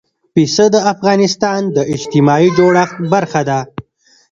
پسه د افغانستان د اجتماعي جوړښت برخه ده.